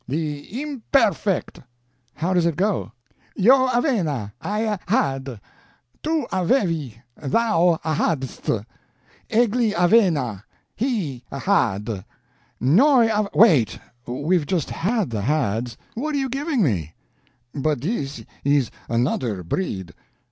"The Imperfect." "How does it go?" "Io Aveva, I had, tu avevi, thou hadst, egli aveva, he had, noi av " "Wait we've just _had _the hads. What are you giving me?" "But this is another breed."